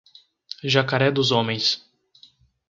Jacaré dos Homens